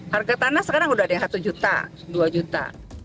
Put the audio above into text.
harga tanah sekarang udah ada yang satu juta dua juta